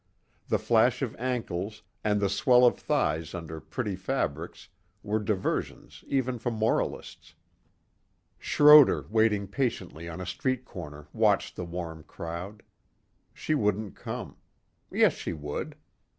The flash of ankles and the swell of thighs under pretty fabrics were diversions even for moralists. Schroder waiting patiently on a street corner watched the warm crowd. She wouldn't come. Yes, she would.